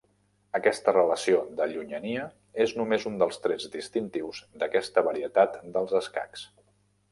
Aquesta relació de llunyania és només un dels trets distintius d'aquesta varietat dels escacs.